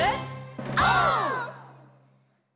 オー！